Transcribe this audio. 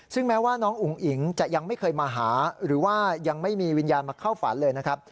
ซึ่งแม้ว่าน้องอุ๋งอิ๋งจะยังไม่เคยมาหาหรือว่ายังไม่มีวิญญาณมาเข้าฝันเลยนะครับ